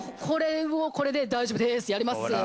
これこれで大丈夫です。